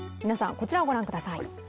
こちらをご覧ください